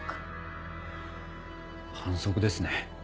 ハァ反則ですね。